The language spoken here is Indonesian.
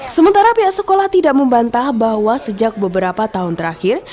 sementara pihak sekolah tidak membantah bahwa sejak beberapa tahun terakhir